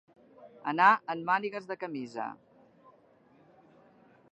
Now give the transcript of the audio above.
Anar en mànigues de camisa.